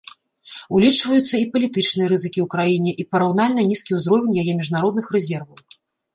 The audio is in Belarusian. Улічваюцца і палітычныя рызыкі ў краіне і параўнальна нізкі ўзровень яе міжнародных рэзерваў.